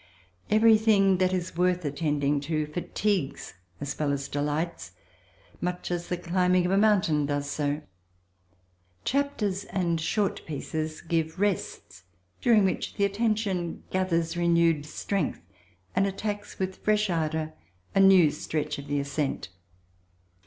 Everything that is worth attending to fatigues as well as delights, much as the climbing of a mountain does so. Chapters and short pieces give rests during which the attention gathers renewed strength and attacks with fresh ardour a new stretch of the ascent.